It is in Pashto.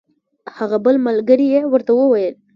هغه بل ملګري یې ورته وویل.